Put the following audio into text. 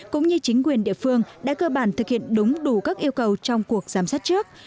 cũng như chính quyền địa phương đã cơ bản thực hiện đúng đủ các yêu cầu trong cuộc giám sát trước